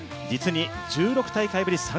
実に１６大会ぶり